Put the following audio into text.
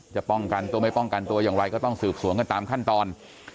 จะป้องกันตัวไม่ป้องกันตัวอย่างไรก็ต้องสืบสวนกันตามขั้นตอน